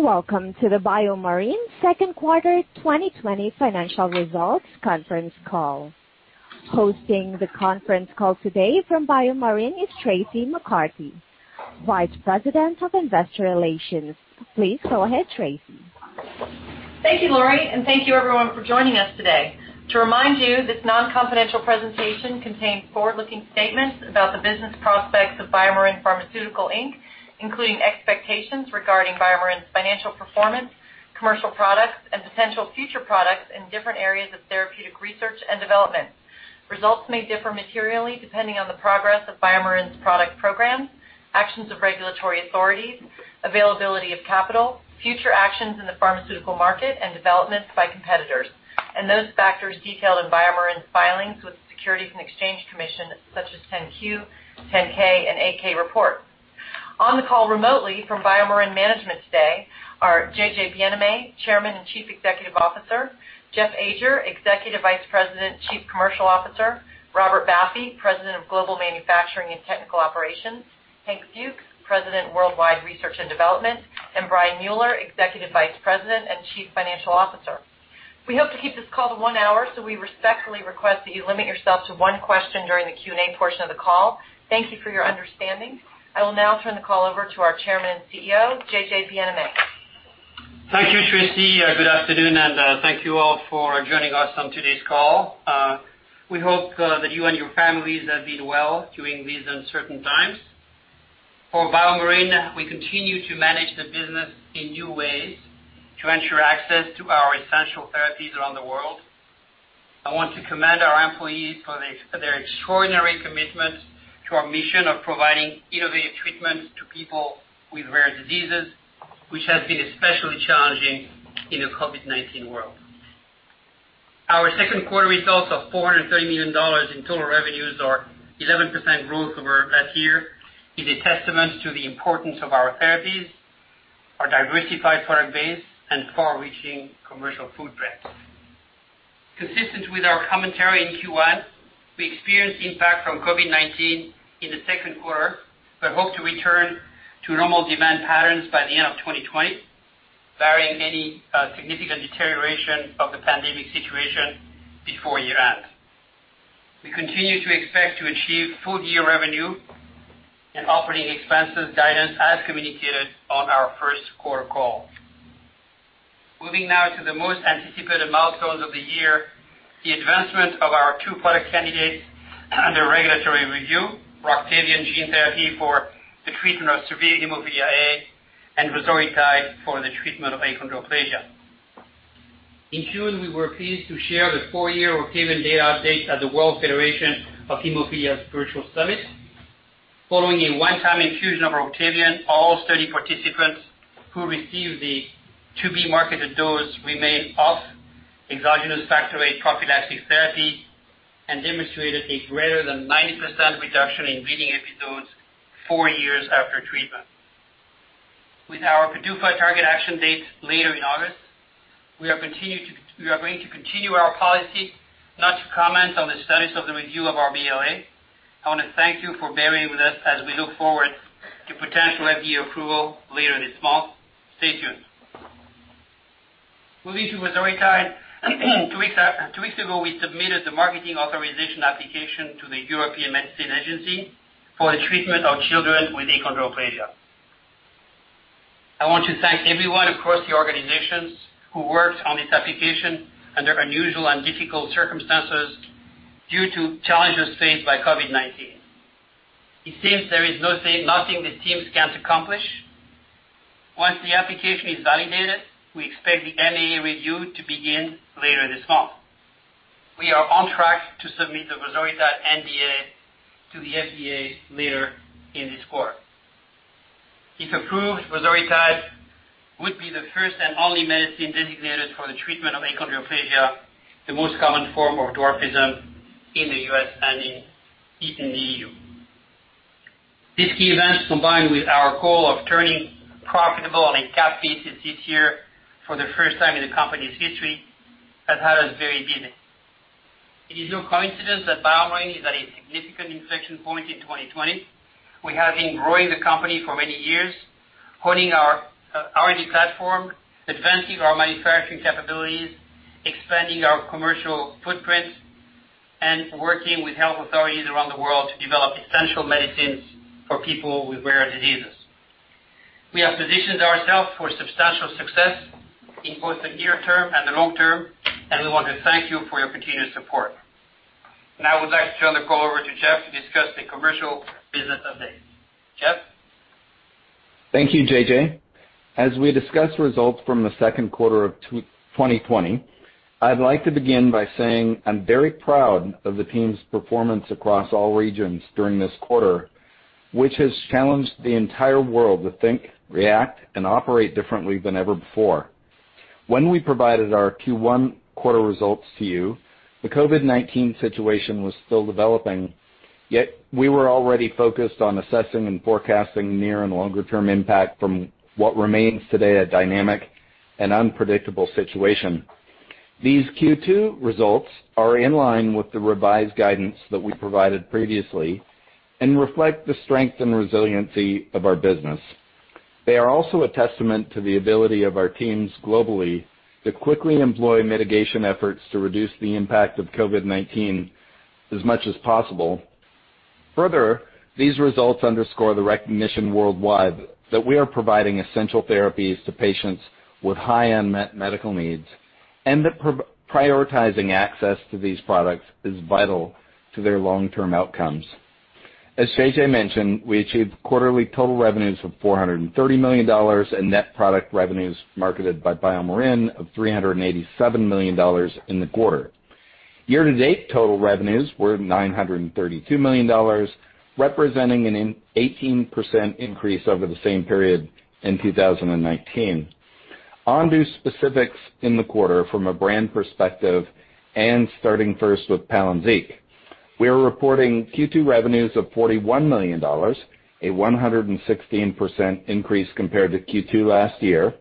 Welcome to the BioMarin Second Quarter 2020 Financial Results Conference Call. Hosting the conference call today from BioMarin is Traci McCarty, Vice President of Investor Relations. Please go ahead, Traci. Thank you, Lori, and thank you, everyone, for joining us today. To remind you, this non-confidential presentation contains forward-looking statements about the business prospects of BioMarin Pharmaceutical Inc., including expectations regarding BioMarin's financial performance, commercial products, and potential future products in different areas of therapeutic research and development. Results may differ materially depending on the progress of BioMarin's product programs, actions of regulatory authorities, availability of capital, future actions in the pharmaceutical market, and developments by competitors, and those factors detailed in BioMarin's filings with the Securities and Exchange Commission, such as 10-Q, 10-K, and 8-K reports. On the call remotely from BioMarin Management today are J.J. Bienaimé, Chairman and Chief Executive Officer, Jeff Ajer, Executive Vice President, Chief Commercial Officer, Robert Baffi, President of Global Manufacturing and Technical Operations, Hank Fuchs, President, Worldwide Research and Development, and Brian Mueller, Executive Vice President and Chief Financial Officer. We hope to keep this call to one hour, so we respectfully request that you limit yourself to one question during the Q&A portion of the call. Thank you for your understanding. I will now turn the call over to our Chairman and CEO, J.J. Bienaimé. Thank you, Traci. Good afternoon, and thank you all for joining us on today's call. We hope that you and your families have been well during these uncertain times. For BioMarin, we continue to manage the business in new ways to ensure access to our essential therapies around the world. I want to commend our employees for their extraordinary commitment to our mission of providing innovative treatments to people with rare diseases, which has been especially challenging in the COVID-19 world. Our second quarter results of $430 million in total revenues, or 11% growth over that year, are a testament to the importance of our therapies, our diversified product base, and far-reaching commercial footprint. Consistent with our commentary in Q1, we experienced impact from COVID-19 in the second quarter but hope to return to normal demand patterns by the end of 2020, barring any significant deterioration of the pandemic situation before year-end. We continue to expect to achieve full-year revenue and operating expenses guidance as communicated on our Q1 call. Moving now to the most anticipated milestones of the year, the advancement of our two product candidates under regulatory review: Roctavian gene therapy for the treatment of severe hemophilia A, and vosoritide for the treatment of achondroplasia. In June, we were pleased to share the four-year Roctavian data update at the World Federation of Hemophilia Virtual Summit. Following a one-time infusion of Roctavian, all study participants who received the to-be-marketed dose remained off exogenous Factor VIII prophylactic therapy and demonstrated a greater than 90% reduction in bleeding episodes four years after treatment. With our PDUFA target action date later in August, we are going to continue our policy not to comment on the status of the review of our BLA. I want to thank you for bearing with us as we look forward to potential FDA approval later this month. Stay tuned. Moving to vosoritide, two weeks ago, we submitted the marketing authorization application to the European Medicines Agency for the treatment of children with achondroplasia. I want to thank everyone across the organizations who worked on this application under unusual and difficult circumstances due to challenges faced by COVID-19. It seems there is nothing the teams can't accomplish. Once the application is validated, we expect the MAA review to begin later this month. We are on track to submit the vosoritide NDA to the FDA later in this quarter. If approved, vosoritide would be the first and only medicine designated for the treatment of achondroplasia, the most common form of dwarfism in the U.S. and in the EU. This key event, combined with our goal of turning profitable on a cash basis this year for the first time in the company's history, has had us very busy. It is no coincidence that BioMarin is at a significant inflection point in 2020. We have been growing the company for many years, honing our R&D platform, advancing our manufacturing capabilities, expanding our commercial footprint, and working with health authorities around the world to develop essential medicines for people with rare diseases. We have positioned ourselves for substantial success in both the near term and the long term, and we want to thank you for your continued support. Now, I would like to turn the call over to Jeff to discuss the commercial business update. Jeff? Thank you, J.J. As we discussed results from the second quarter of 2020, I'd like to begin by saying I'm very proud of the team's performance across all regions during this quarter, which has challenged the entire world to think, react, and operate differently than ever before. When we provided our Q1 quarter results to you, the COVID-19 situation was still developing, yet we were already focused on assessing and forecasting near and longer-term impact from what remains today a dynamic and unpredictable situation. These Q2 results are in line with the revised guidance that we provided previously and reflect the strength and resiliency of our business. They are also a testament to the ability of our teams globally to quickly employ mitigation efforts to reduce the impact of COVID-19 as much as possible. Further, these results underscore the recognition worldwide that we are providing essential therapies to patients with high-end medical needs and that prioritizing access to these products is vital to their long-term outcomes. As J.J. mentioned, we achieved quarterly total revenues of $430 million and net product revenues marketed by BioMarin of $387 million in the quarter. Year-to-date total revenues were $932 million, representing an 18% increase over the same period in 2019. On to specifics in the quarter from a brand perspective and starting first with Palynziq. We are reporting Q2 revenues of $41 million, a 116% increase compared to Q2 last year,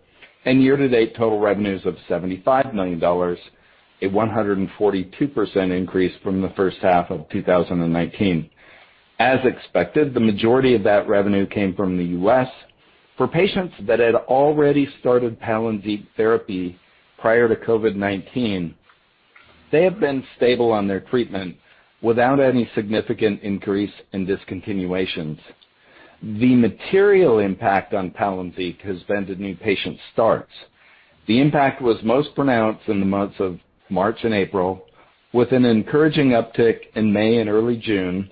and year-to-date total revenues of $75 million, a 142% increase from the first half of 2019. As expected, the majority of that revenue came from the U.S. For patients that had already started Palynziq therapy prior to COVID-19, they have been stable on their treatment without any significant increase in discontinuations. The material impact on Palynziq has been to new patient starts. The impact was most pronounced in the months of March and April, with an encouraging uptick in May and early June,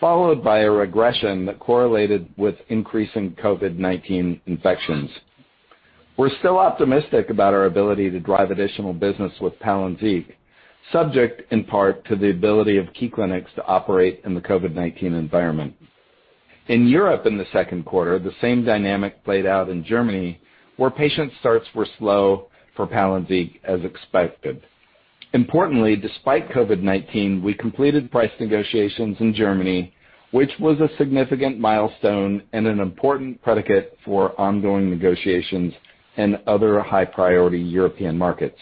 followed by a regression that correlated with increasing COVID-19 infections. We're still optimistic about our ability to drive additional business with Palynziq, subject in part to the ability of key clinics to operate in the COVID-19 environment. In Europe, in the second quarter, the same dynamic played out in Germany, where patient starts were slow for Palynziq as expected. Importantly, despite COVID-19, we completed price negotiations in Germany, which was a significant milestone and an important predicate for ongoing negotiations in other high-priority European markets.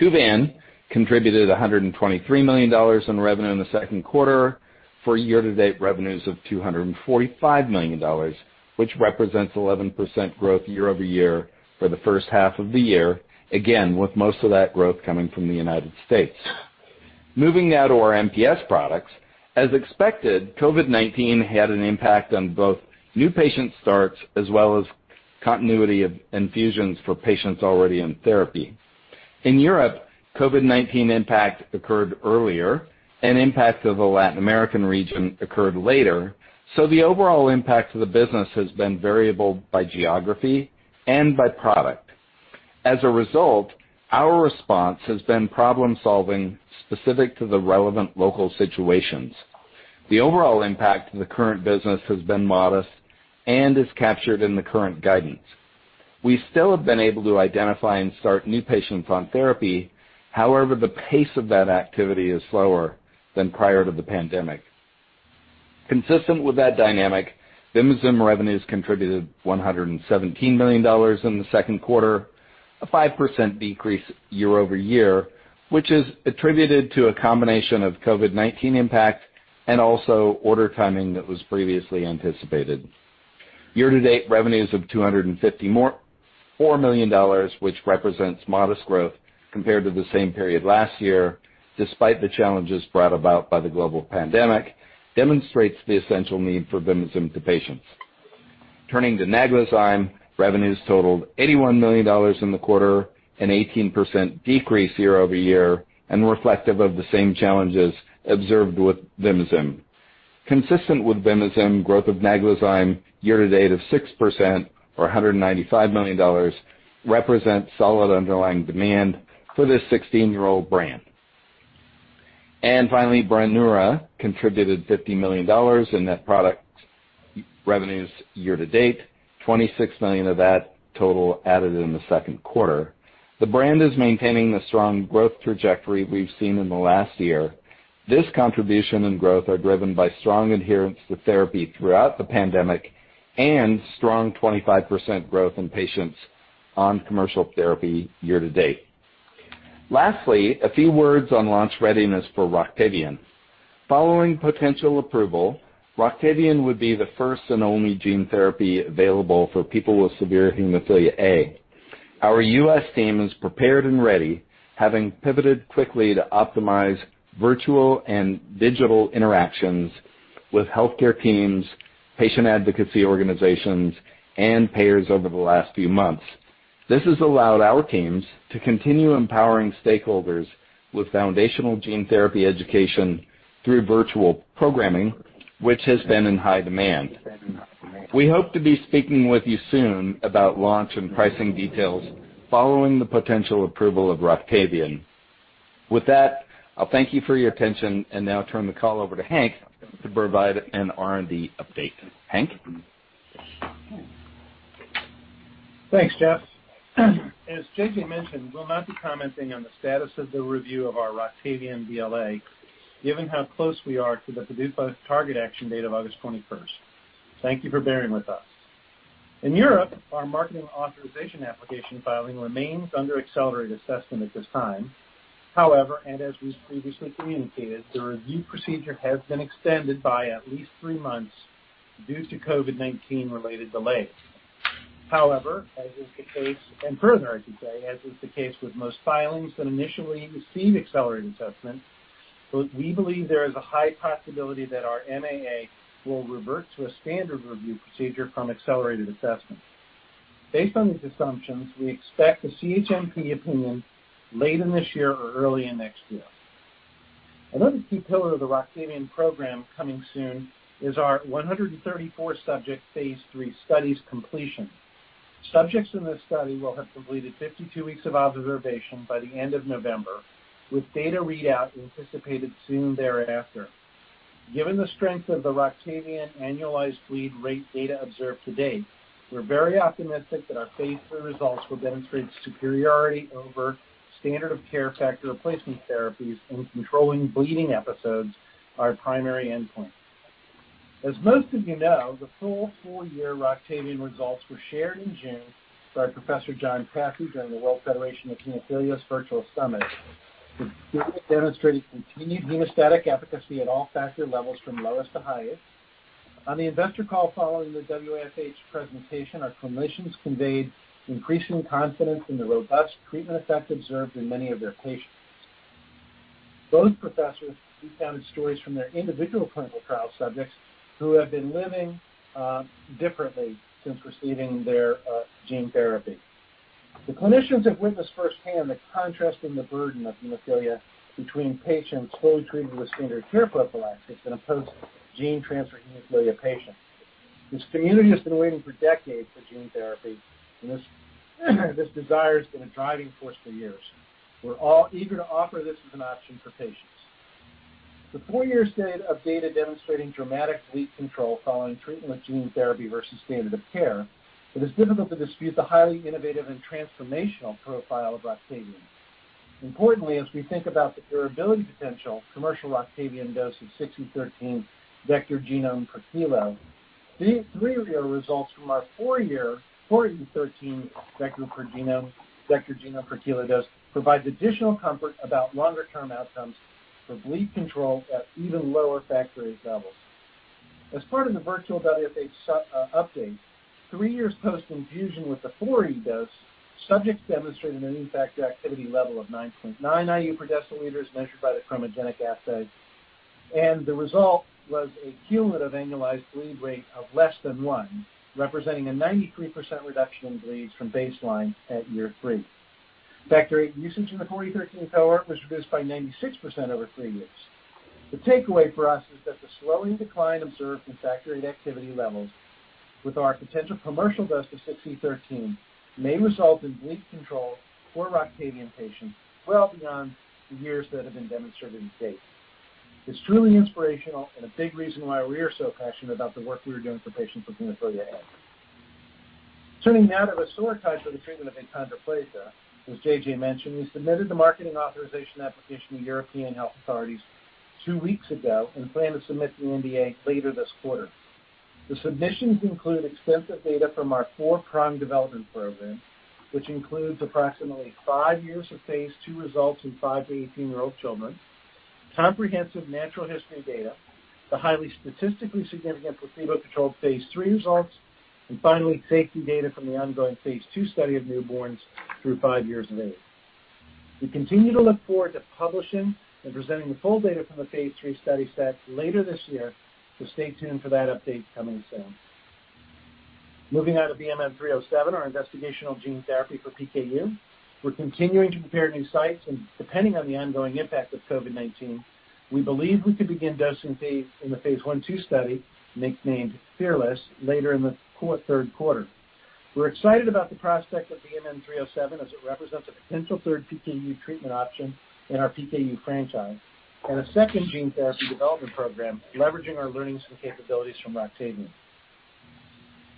Kuvan contributed $123 million in revenue in the second quarter for year-to-date revenues of $245 million, which represents 11% growth year-over-year for the first half of the year, again with most of that growth coming from the United States. Moving now to our MPS products, as expected, COVID-19 had an impact on both new patient starts as well as continuity of infusions for patients already in therapy. In Europe, COVID-19 impact occurred earlier, and impact of the Latin American region occurred later, so the overall impact of the business has been variable by geography and by product. As a result, our response has been problem-solving specific to the relevant local situations. The overall impact of the current business has been modest and is captured in the current guidance. We still have been able to identify and start new patients on therapy. However, the pace of that activity is slower than prior to the pandemic. Consistent with that dynamic, Vimizim revenues contributed $117 million in the second quarter, a 5% decrease year-over-year, which is attributed to a combination of COVID-19 impact and also order timing that was previously anticipated. Year-to-date revenues of $254 million, which represents modest growth compared to the same period last year, despite the challenges brought about by the global pandemic, demonstrates the essential need for Vimizim to patients. Turning to Naglazyme, revenues totaled $81 million in the quarter, an 18% decrease year-over-year, and reflective of the same challenges observed with Vimizim. Consistent with Vimizim, growth of Naglazyme year-to-date of 6%, or $195 million, represents solid underlying demand for this 16-year-old brand. Finally, Brineura contributed $50 million in net product revenues year-to-date, $26 million of that total added in the second quarter. The brand is maintaining the strong growth trajectory we've seen in the last year. This contribution and growth are driven by strong adherence to therapy throughout the pandemic and strong 25% growth in patients on commercial therapy year-to-date. Lastly, a few words on launch readiness for Roctavian. Following potential approval, Roctavian would be the first and only gene therapy available for people with severe hemophilia A. Our U.S. team is prepared and ready, having pivoted quickly to optimize virtual and digital interactions with healthcare teams, patient advocacy organizations, and payers over the last few months. This has allowed our teams to continue empowering stakeholders with foundational gene therapy education through virtual programming, which has been in high demand. We hope to be speaking with you soon about launch and pricing details following the potential approval of Roctavian. With that, I'll thank you for your attention and now turn the call over to Hank to provide an R&D update. Hank? Thanks, Jeff. As J.J. mentioned, we'll not be commenting on the status of the review of our Roctavian BLA, given how close we are to the PDUFA target action date of August 21st. Thank you for bearing with us. In Europe, our marketing authorization application filing remains under accelerated assessment at this time. However, and as we've previously communicated, the review procedure has been extended by at least three months due to COVID-19-related delays. However, as is the case, and further, I should say, as is the case with most filings that initially receive accelerated assessment, we believe there is a high possibility that our MAA will revert to a standard review procedure from accelerated assessment. Based on these assumptions, we expect the CHMP opinion late in this year or early in next year. Another key pillar of the Roctavian program coming soon is our 134-subject phase III studies completion. Subjects in this study will have completed 52 weeks of observation by the end of November, with data readout anticipated soon thereafter. Given the strength of the Roctavian annualized bleed rate data observed to date, we're very optimistic that our phase III results will demonstrate superiority over standard of care factor replacement therapies in controlling bleeding episodes, our primary endpoint. As most of you know, the full four-year Roctavian results were shared in June by Professor John Pasi during the World Federation of Hemophilia's Virtual Summit. The data demonstrated continued hemostatic efficacy at all factor levels from lowest to highest. On the investor call following the WFH presentation, our clinicians conveyed increasing confidence in the robust treatment effect observed in many of their patients. Both professors recounted stories from their individual clinical trial subjects who have been living differently since receiving their gene therapy. The clinicians have witnessed firsthand the contrasting burden of hemophilia between patients fully treated with standard care prophylaxis and post gene transfer hemophilia patients. This community has been waiting for decades for gene therapy, and this desire has been a driving force for years. We're all eager to offer this as an option for patients. The four-year set of data demonstrating dramatic bleed control following treatment with gene therapy versus standard of care. It is difficult to dispute the highly innovative and transformational profile of Roctavian. Importantly, as we think about the durability potential, commercial Roctavian dose of 6 × 10^13 vg/kg, three-year results from our four-year 4 × 10^13 vg/kg dose provides additional comfort about longer-term outcomes for bleed control at even lower Factor VIII levels. As part of the virtual WFH update, three years post-infusion with the 4e13 dose, subjects demonstrated an effective activity level of 9.9 IU per deciliter as measured by the chromogenic assay, and the result was a cumulative annualized bleed rate of less than 1, representing a 93% reduction in bleeds from baseline at year three. Factor VIII usage in the 4e13 cohort was reduced by 96% over three years. The takeaway for us is that the slowing decline observed in Factor VIII activity levels with our potential commercial dose of 6e13 may result in bleed control for Roctavian patients well beyond the years that have been demonstrated to date. It's truly inspirational and a big reason why we are so passionate about the work we are doing for patients with hemophilia A. Turning now to the short touch on the treatment of achondroplasia, as J.J. mentioned, we submitted the marketing authorization application to European health authorities two weeks ago and plan to submit the NDA later this quarter. The submissions include extensive data from our four-pronged development program, which includes approximately five years of phase III results in five to 18-year-old children, comprehensive natural history data, the highly statistically significant placebo-controlled phase III results, and finally, safety data from the ongoing phase II study of newborns through five years of age. We continue to look forward to publishing and presenting the full data from the phase III study set later this year, so stay tuned for that update coming soon. Moving now to BMN 307, our investigational gene therapy for PKU. We're continuing to prepare new sites and, depending on the ongoing impact of COVID-19, we believe we could begin dosing in the phase I- phase II study nicknamed PHEARLESS later in the third quarter. We're excited about the prospect of BMN 307 as it represents a potential third PKU treatment option in our PKU franchise and a second gene therapy development program leveraging our learnings and capabilities from Roctavian.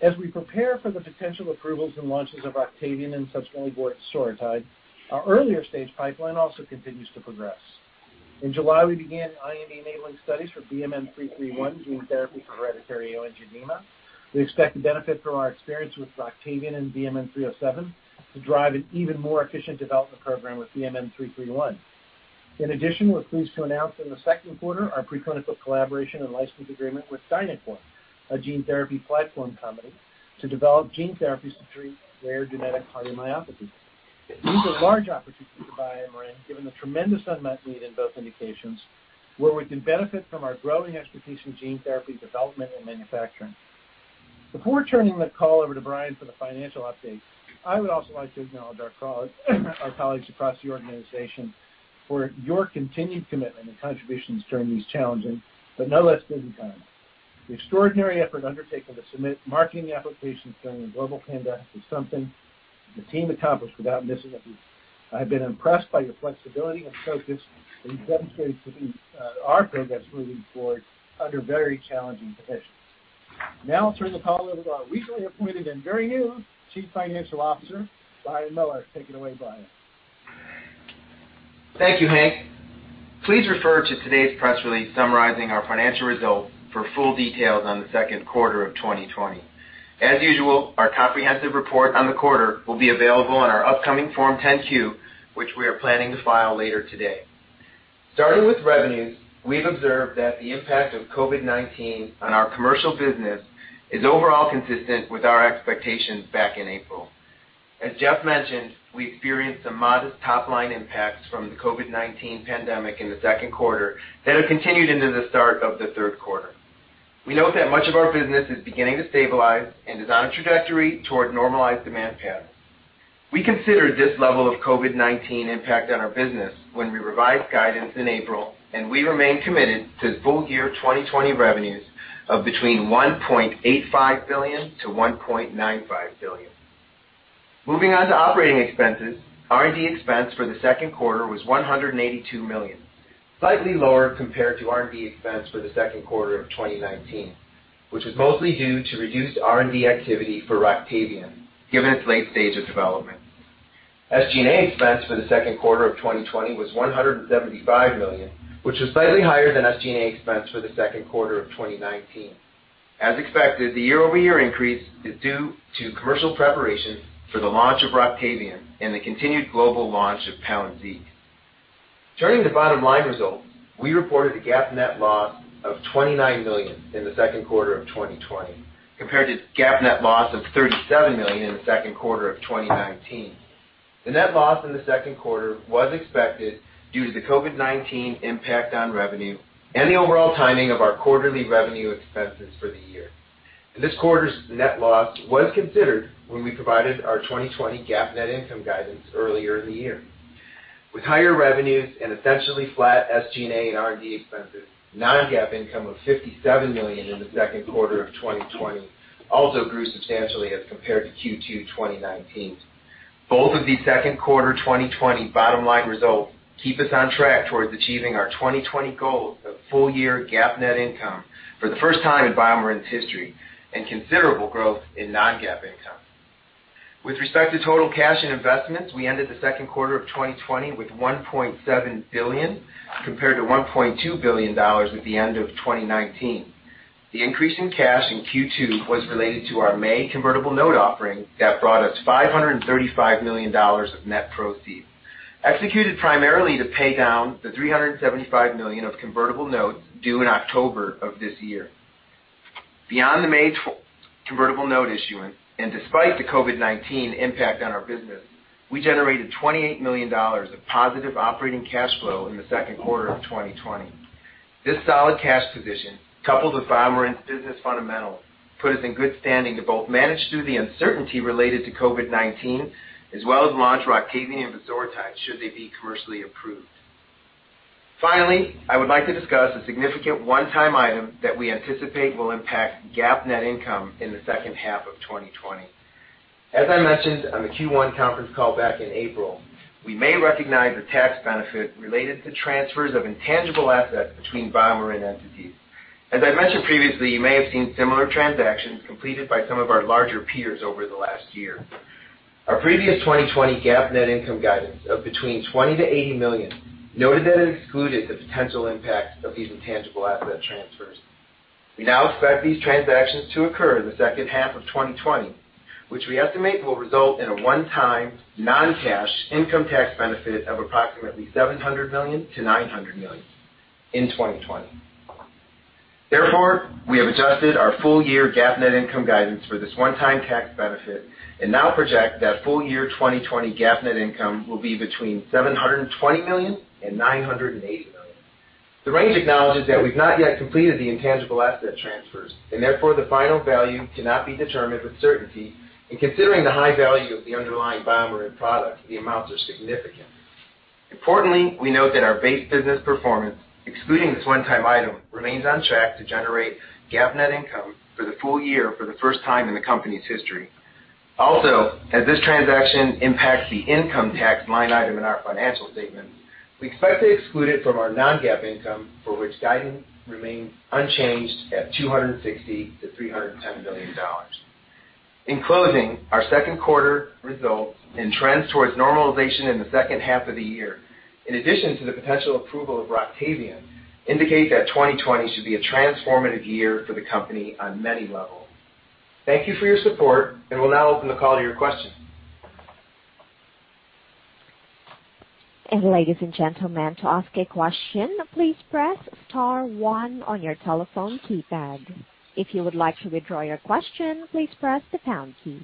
As we prepare for the potential approvals and launches of Roctavian and subsequently vosoritide, our earlier stage pipeline also continues to progress. In July, we began IND enabling studies for BMN 331 gene therapy for hereditary angioedema. We expect to benefit from our experience with Roctavian and BMN 307 to drive an even more efficient development program with BMN 331. In addition, we're pleased to announce in the second quarter our pre-clinical collaboration and license agreement with DiNAQOR, a gene therapy platform company, to develop gene therapies to treat rare genetic cardiomyopathy. These are large opportunities for BioMarin, given the tremendous unmet need in both indications, where we can benefit from our growing expertise in gene therapy development and manufacturing. Before turning the call over to Brian for the financial update, I would also like to acknowledge our colleagues across the organization for your continued commitment and contributions during these challenging, but no less busy times. The extraordinary effort undertaken to submit marketing applications during the global pandemic is something the team accomplished without missing a beat. I've been impressed by your flexibility and focus that you've demonstrated to keep our progress moving forward under very challenging conditions. Now I'll turn the call over to our recently appointed and very new Chief Financial Officer, Brian Mueller. Take it away, Brian. Thank you, Hank. Please refer to today's press release summarizing our financial results for full details on the second quarter of 2020. As usual, our comprehensive report on the quarter will be available in our upcoming Form 10-Q, which we are planning to file later today. Starting with revenues, we've observed that the impact of COVID-19 on our commercial business is overall consistent with our expectations back in April. As Jeff mentioned, we experienced some modest top-line impacts from the COVID-19 pandemic in the second quarter that have continued into the start of the third quarter. We note that much of our business is beginning to stabilize and is on a trajectory toward normalized demand patterns. We considered this level of COVID-19 impact on our business when we revised guidance in April, and we remain committed to full-year 2020 revenues of between $1.85 billion to $1.95 billion. Moving on to operating expenses, R&D expense for the second quarter was $182 million, slightly lower compared to R&D expense for the second quarter of 2019, which was mostly due to reduced R&D activity for Roctavian, given its late stage of development. SG&A expense for the second quarter of 2020 was $175 million, which was slightly higher than SG&A expense for the second quarter of 2019. As expected, the year-over-year increase is due to commercial preparation for the launch of Roctavian and the continued global launch of Palynziq. Turning to bottom-line results, we reported a GAAP net loss of $29 million in the second quarter of 2020 compared to GAAP net loss of $37 million in the second quarter of 2019. The net loss in the second quarter was expected due to the COVID-19 impact on revenue and the overall timing of our quarterly revenue expenses for the year. This quarter's net loss was considered when we provided our 2020 GAAP net income guidance earlier in the year. With higher revenues and essentially flat SG&A and R&D expenses, non-GAAP income of $57 million in the second quarter of 2020 also grew substantially as compared to Q2 2019. Both of these second quarter 2020 bottom-line results keep us on track towards achieving our 2020 goal of full-year GAAP net income for the first time in BioMarin's history and considerable growth in non-GAAP income. With respect to total cash and investments, we ended the second quarter of 2020 with $1.7 billion compared to $1.2 billion at the end of 2019. The increase in cash in Q2 was related to our May convertible note offering that brought us $535 million of net proceeds, executed primarily to pay down the $375 million of convertible notes due in October of this year. Beyond the May convertible note issuance and despite the COVID-19 impact on our business, we generated $28 million of positive operating cash flow in the second quarter of 2020. This solid cash position, coupled with BioMarin's business fundamentals, put us in good standing to both manage through the uncertainty related to COVID-19 as well as launch Roctavian and vosoritide should they be commercially approved. Finally, I would like to discuss a significant one-time item that we anticipate will impact GAAP net income in the second half of 2020. As I mentioned on the Q1 conference call back in April, we may recognize the tax benefit related to transfers of intangible assets between BioMarin entities. As I mentioned previously, you may have seen similar transactions completed by some of our larger peers over the last year. Our previous 2020 GAAP net income guidance of between $20 million-$80 million noted that it excluded the potential impact of these intangible asset transfers. We now expect these transactions to occur in the second half of 2020, which we estimate will result in a one-time non-cash income tax benefit of approximately $700 million-$900 million in 2020. Therefore, we have adjusted our full-year GAAP net income guidance for this one-time tax benefit and now project that full-year 2020 GAAP net income will be between $720 million and $980 million. The range acknowledges that we've not yet completed the intangible asset transfers, and therefore the final value cannot be determined with certainty, and considering the high value of the underlying BioMarin product, the amounts are significant. Importantly, we note that our base business performance, excluding this one-time item, remains on track to generate GAAP net income for the full year for the first time in the company's history. Also, as this transaction impacts the income tax line item in our financial statements, we expect to exclude it from our non-GAAP income, for which guidance remains unchanged at $260 million-$310 million. In closing, our second quarter results and trends towards normalization in the second half of the year, in addition to the potential approval of Roctavian, indicate that 2020 should be a transformative year for the company on many levels. Thank you for your support, and we'll now open the call to your questions. Ladies and gentlemen, to ask a question, please press star one on your telephone keypad. If you would like to withdraw your question, please press the pound key.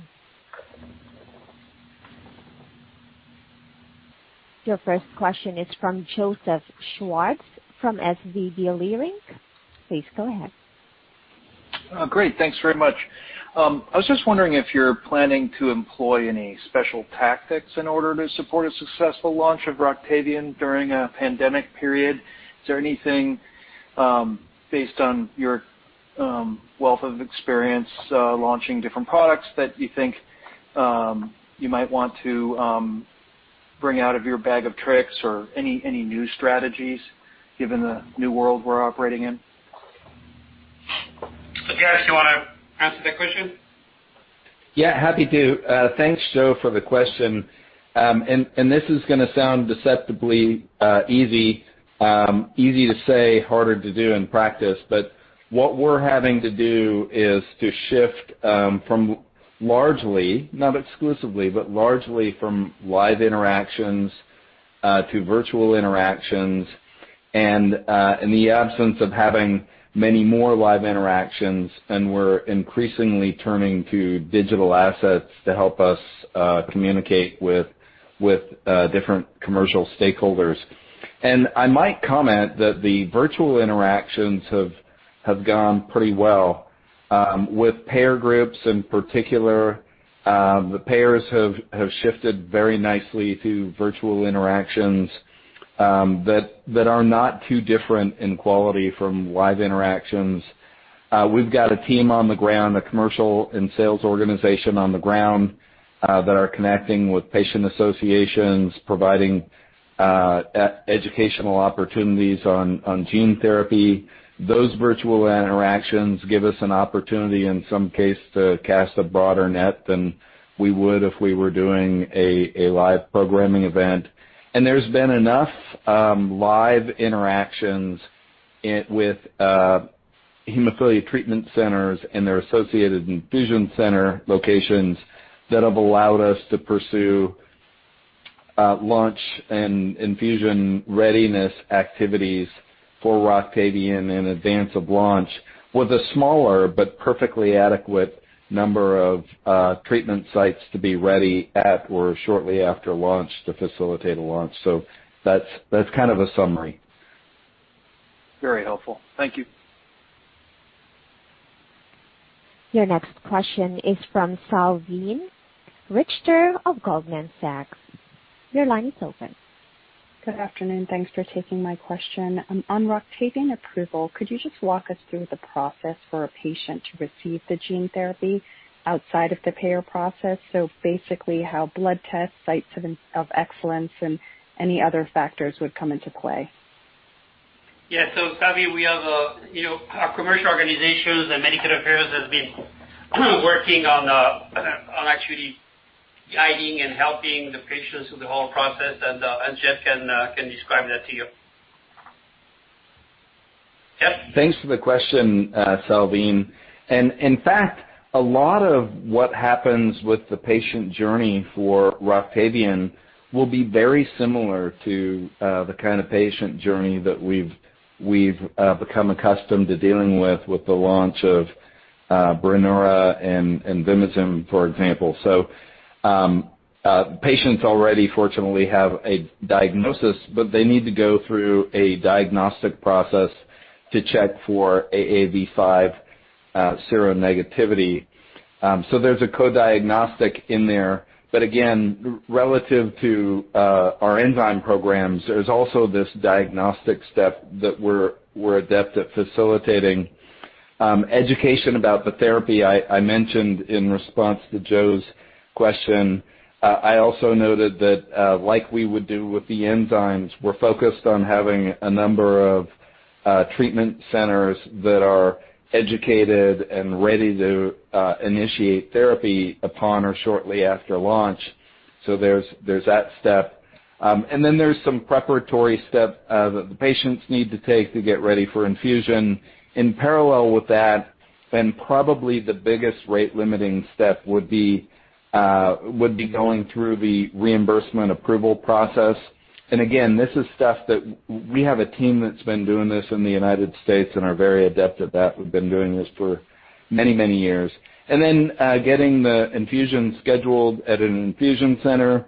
Your first question is from Joseph Schwartz from SVB Leerink. Please go ahead. Great. Thanks very much. I was just wondering if you're planning to employ any special tactics in order to support a successful launch of Roctavian during a pandemic period. Is there anything based on your wealth of experience launching different products that you think you might want to bring out of your bag of tricks or any new strategies given the new world we're operating in? Jeff, do you want to answer that question? Yeah. Happy to. Thanks, Joseph, for the question. And this is going to sound deceptively easy, easy to say, harder to do in practice, but what we're having to do is to shift from largely, not exclusively, but largely from live interactions to virtual interactions, and in the absence of having many more live interactions, and we're increasingly turning to digital assets to help us communicate with different commercial stakeholders. And I might comment that the virtual interactions have gone pretty well. With payer groups in particular, the payers have shifted very nicely to virtual interactions that are not too different in quality from live interactions. We've got a team on the ground, a commercial and sales organization on the ground that are connecting with patient associations, providing educational opportunities on gene therapy. Those virtual interactions give us an opportunity in some case to cast a broader net than we would if we were doing a live programming event. And there's been enough live interactions with hemophilia treatment centers and their associated infusion center locations that have allowed us to pursue launch and infusion readiness activities for Roctavian in advance of launch with a smaller but perfectly adequate number of treatment sites to be ready at or shortly after launch to facilitate a launch. So that's kind of a summary. Very helpful. Thank you. Your next question is from Salveen Richter of Goldman Sachs. Your line is open. Good afternoon. Thanks for taking my question. On Roctavian approval, could you just walk us through the process for a patient to receive the gene therapy outside of the payer process? So basically how blood tests, sites of excellence, and any other factors would come into play. Yeah, so Salveen, we have our commercial organizations and many kinds of payers have been working on actually guiding and helping the patients through the whole process, and Jeff can describe that to you. Yeah. Thanks for the question, Salveen. And in fact, a lot of what happens with the patient journey for Roctavian will be very similar to the kind of patient journey that we've become accustomed to dealing with with the launch of Brineura and Vimizim, for example. So patients already, fortunately, have a diagnosis, but they need to go through a diagnostic process to check for AAV5 seronegativity. So there's a co-diagnostic in there. But again, relative to our enzyme programs, there's also this diagnostic step that we're adept at facilitating. Education about the therapy I mentioned in response to Joseph's question. I also noted that, like we would do with the enzymes, we're focused on having a number of treatment centers that are educated and ready to initiate therapy upon or shortly after launch. So there's that step. And then there's some preparatory step that the patients need to take to get ready for infusion. In parallel with that, and probably the biggest rate-limiting step would be going through the reimbursement approval process. And again, this is stuff that we have a team that's been doing this in the United States and are very adept at that. We've been doing this for many, many years. And then getting the infusion scheduled at an infusion center.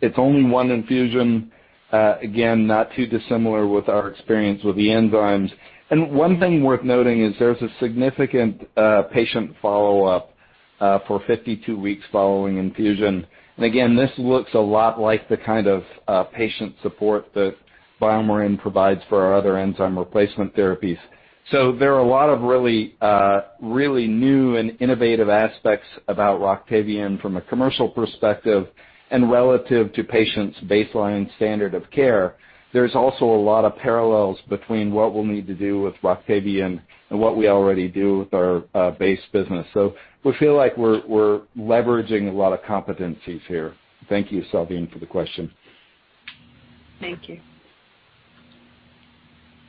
It's only one infusion. Again, not too dissimilar with our experience with the enzymes. And one thing worth noting is there's a significant patient follow-up for 52 weeks following infusion. And again, this looks a lot like the kind of patient support that BioMarin provides for our other enzyme replacement therapies. So there are a lot of really new and innovative aspects about Roctavian from a commercial perspective and relative to patients' baseline standard of care. There's also a lot of parallels between what we'll need to do with Roctavian and what we already do with our base business. So we feel like we're leveraging a lot of competencies here. Thank you, Salveen, for the question. Thank you.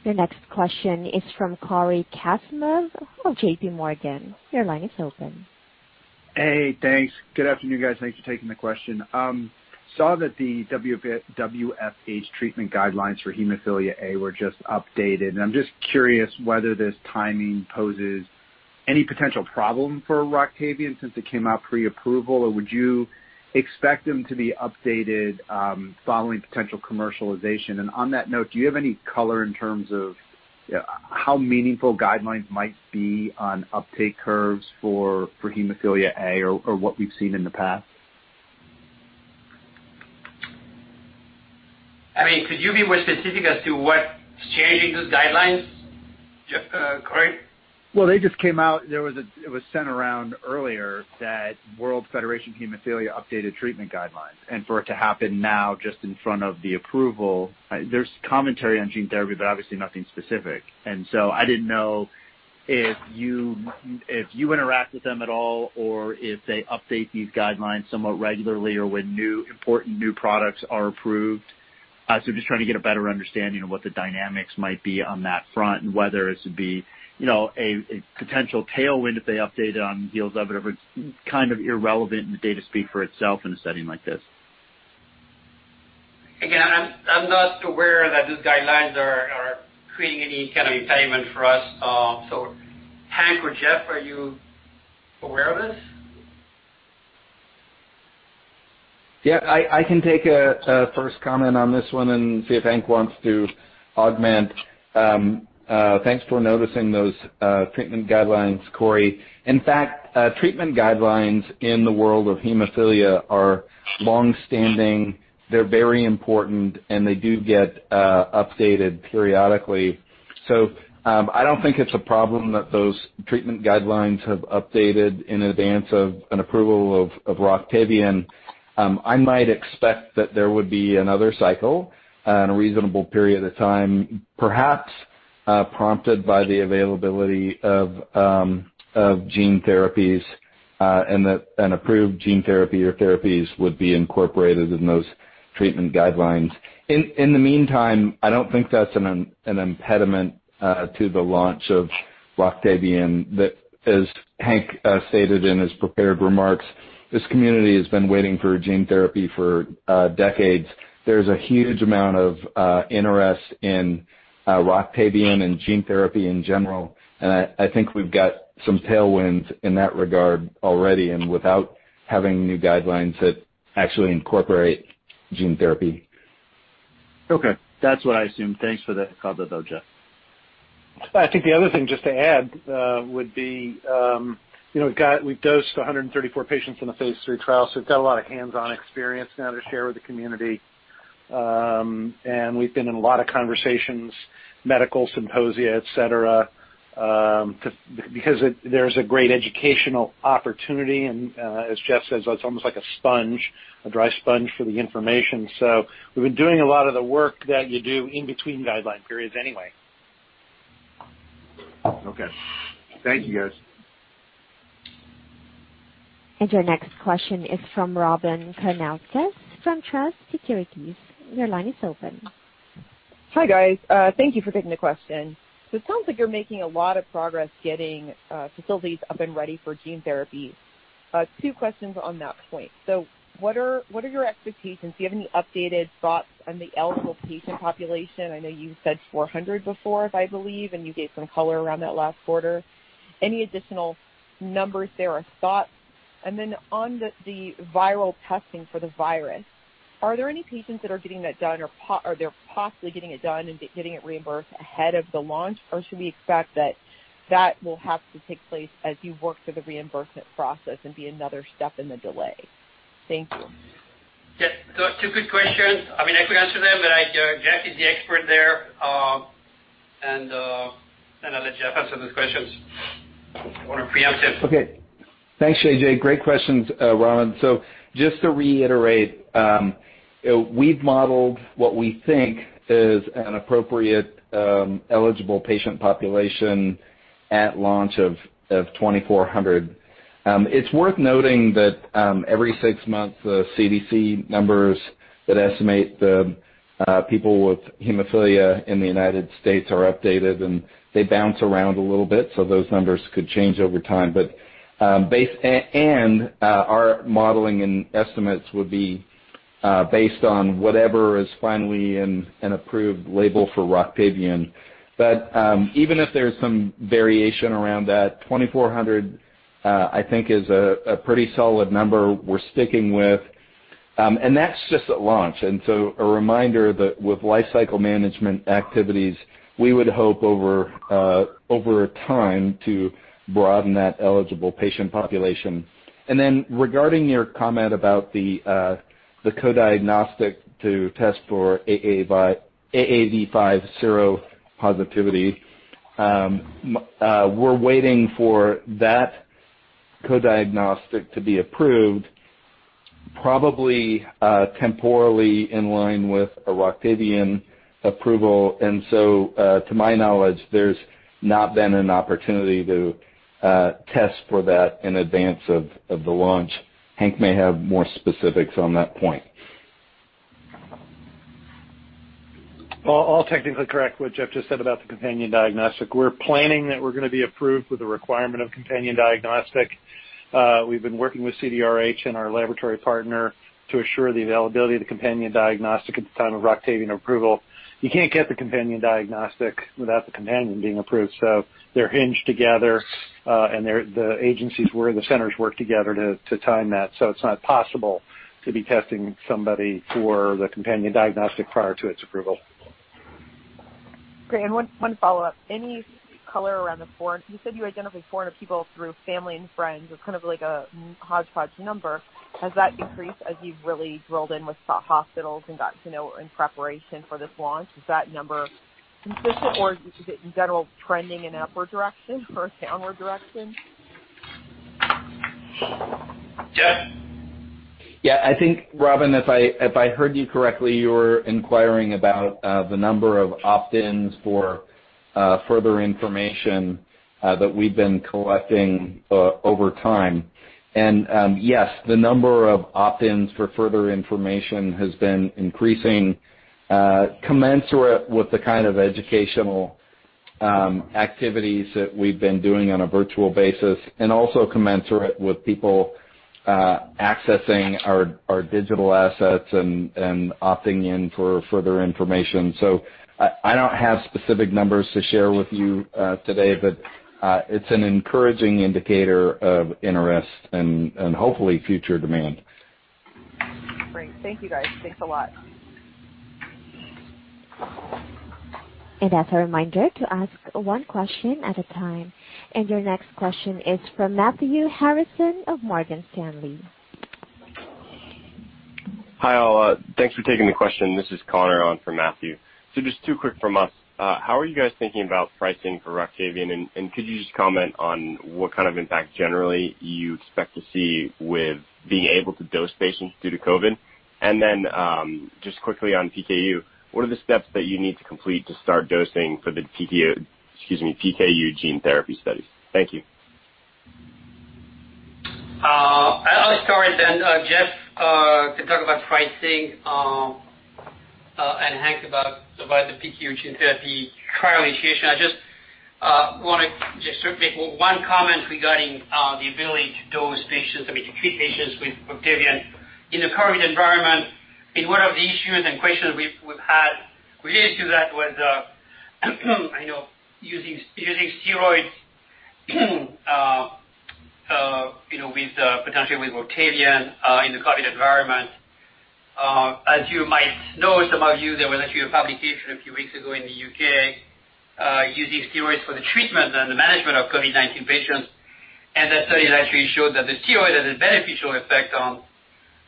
Your next question is from Cory Kasimov of J.P. Morgan. Your line is open. Hey. Thanks. Good afternoon, guys. Thanks for taking the question. I saw that the WFH treatment guidelines for hemophilia A were just updated. And I'm just curious whether this timing poses any potential problem for Roctavian since it came out pre-approval, or would you expect them to be updated following potential commercialization? And on that note, do you have any color in terms of how meaningful guidelines might be on uptake curves for hemophilia A or what we've seen in the past? I mean, could you be more specific as to what's changing those guidelines, Cory? They just came out. It was sent around earlier that World Federation of Hemophilia updated treatment guidelines. For it to happen now just in front of the approval, there's commentary on gene therapy, but obviously nothing specific. I didn't know if you interact with them at all or if they update these guidelines somewhat regularly or when important new products are approved. Just trying to get a better understanding of what the dynamics might be on that front and whether it should be a potential tailwind if they update it on deals of it or if it's kind of irrelevant in the data speak for itself in a setting like this. Again, I'm not aware that these guidelines are creating any kind of entitlement for us. So Hank or Jeff, are you aware of this? Yeah. I can take a first comment on this one and see if Hank wants to augment. Thanks for noticing those treatment guidelines, Cory. In fact, treatment guidelines in the world of hemophilia are longstanding. They're very important, and they do get updated periodically. So I don't think it's a problem that those treatment guidelines have updated in advance of an approval of Roctavian. I might expect that there would be another cycle in a reasonable period of time, perhaps prompted by the availability of gene therapies and that an approved gene therapy or therapies would be incorporated in those treatment guidelines. In the meantime, I don't think that's an impediment to the launch of Roctavian. As Hank stated in his prepared remarks, this community has been waiting for a gene therapy for decades. There's a huge amount of interest in Roctavian and gene therapy in general. I think we've got some tailwinds in that regard already and without having new guidelines that actually incorporate gene therapy. Okay. That's what I assume. Thanks for the call though, Jeff. I think the other thing just to add would be we've dosed 134 patients in a phase III trial, so we've got a lot of hands-on experience now to share with the community, and we've been in a lot of conversations, medical symposia, etc., because there's a great educational opportunity, and as Jeff says, it's almost like a sponge, a dry sponge for the information, so we've been doing a lot of the work that you do in between guideline periods anyway. Okay. Thank you, guys. Your next question is from Robyn Karnauskas from Truist Securities. Your line is open. Hi, guys. Thank you for taking the question, so it sounds like you're making a lot of progress getting facilities up and ready for gene therapy. Two questions on that point, so what are your expectations? Do you have any updated thoughts on the eligible patient population? I know you said 400 before, I believe, and you gave some color around that last quarter. Any additional numbers there or thoughts, and then on the viral testing for the virus, are there any patients that are getting that done or they're possibly getting it done and getting it reimbursed ahead of the launch? Or should we expect that that will have to take place as you work through the reimbursement process and be another step in the delay? Thank you. Yeah. Two good questions. I mean, I could answer them, but Jeff is the expert there, and then I'll let Jeff answer those questions preemptively. Okay. Thanks, J.J. Great questions, Robyn. So just to reiterate, we've modeled what we think is an appropriate eligible patient population at launch of 2,400. It's worth noting that every six months, the CDC numbers that estimate the people with hemophilia in the United States are updated, and they bounce around a little bit, so those numbers could change over time, and our modeling and estimates would be based on whatever is finally an approved label for Roctavian, but even if there's some variation around that, 2,400, I think, is a pretty solid number we're sticking with, and that's just at launch, and so a reminder that with life cycle management activities, we would hope over time to broaden that eligible patient population. And then regarding your comment about the companion diagnostic to test for AAV5 seropositivity, we're waiting for that companion diagnostic to be approved, probably temporarily in line with a Roctavian approval. And so to my knowledge, there's not been an opportunity to test for that in advance of the launch. Hank may have more specifics on that point. I'll technically correct what Jeff just said about the companion diagnostic. We're planning that we're going to be approved with a requirement of companion diagnostic. We've been working with CDRH and our laboratory partner to assure the availability of the companion diagnostic at the time of Roctavian approval. You can't get the companion diagnostic without the companion being approved. So they're hinged together, and the agencies where the centers work together to time that. So it's not possible to be testing somebody for the companion diagnostic prior to its approval. Great. And one follow-up. Any color around the four? You said you identify 400 people through family and friends. It's kind of like a hodgepodge number. Has that increased as you've really drilled in with hospitals and gotten to know in preparation for this launch? Is that number consistent, or is it in general trending in an upward direction or a downward direction? Jeff? Yeah. I think, Robyn, if I heard you correctly, you were inquiring about the number of opt-ins for further information that we've been collecting over time, and yes, the number of opt-ins for further information has been increasing, commensurate with the kind of educational activities that we've been doing on a virtual basis, and also commensurate with people accessing our digital assets and opting in for further information, so I don't have specific numbers to share with you today, but it's an encouraging indicator of interest and hopefully future demand. Great. Thank you, guys. Thanks a lot. As a reminder to ask one question at a time. Your next question is from Matthew Harrison of Morgan Stanley. Hi, all. Thanks for taking the question. This is Connor on for Matthew. So just two quick from us. How are you guys thinking about pricing for Roctavian? And could you just comment on what kind of impact generally you expect to see with being able to dose patients due to COVID? And then just quickly on PKU, what are the steps that you need to complete to start dosing for the PKU gene therapy studies? Thank you. I'll start then. Jeff can talk about pricing and Hank about the PKU gene therapy trial initiation. I just want to just make one comment regarding the ability to dose patients, I mean, to treat patients with Roctavian in the COVID environment. In one of the issues and questions we've had, we didn't do that with, I know, using steroids potentially with Roctavian in the COVID environment. As you might know, some of you, there was actually a publication a few weeks ago in the U.K. using steroids for the treatment and the management of COVID-19 patients, and that study actually showed that the steroid has a beneficial effect on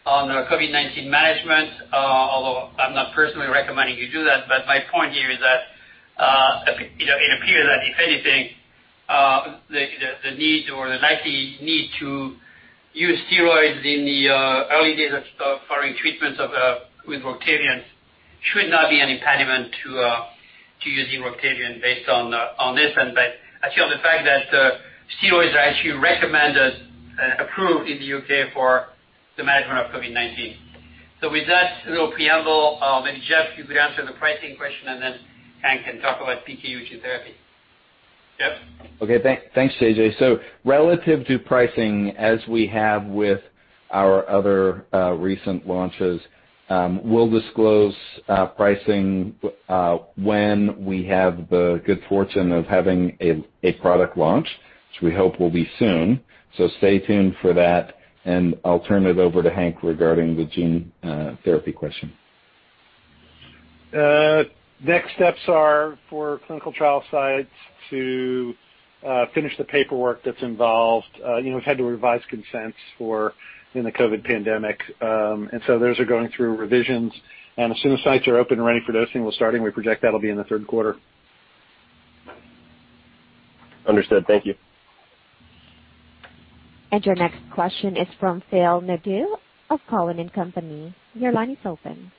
COVID-19 management, although I'm not personally recommending you do that. But my point here is that it appears that, if anything, the need or the likely need to use steroids in the early days of following treatments with Roctavian should not be an impediment to using Roctavian based on this, but actually on the fact that steroids are actually recommended and approved in the U.K. for the management of COVID-19. So with that little preamble, maybe Jeff, you could answer the pricing question, and then Hank can talk about PKU gene therapy. Jeff? Okay. Thanks, J.J. So relative to pricing, as we have with our other recent launches, we'll disclose pricing when we have the good fortune of having a product launch, which we hope will be soon. So stay tuned for that. And I'll turn it over to Hank regarding the gene therapy question. Next steps are for clinical trial sites to finish the paperwork that's involved. We've had to revise consents in the COVID pandemic. And so those are going through revisions. And as soon as sites are open and ready for dosing, we'll start. And we project that'll be in the third quarter. Understood. Thank you. And your next question is from Phil Nadeau of Cowen and Company. Your line is open.